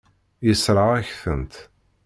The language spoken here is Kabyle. Yessṛeɣ-ak-tent.